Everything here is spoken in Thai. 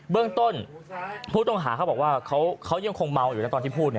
เรื่องต้นผู้ต้องหาเขาบอกว่าเขายังคงเมาอยู่นะตอนที่พูด